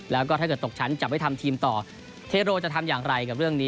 แล้วก็ถ้าเกิดตกชั้นจะไม่ทำทีมต่อเทโรจะทำอย่างไรกับเรื่องนี้